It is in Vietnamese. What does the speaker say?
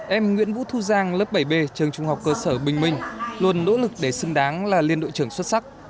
em nguyễn vũ thu giang lớp bảy b trường trung học cơ sở bình minh luôn nỗ lực để xứng đáng là liên đội trưởng xuất sắc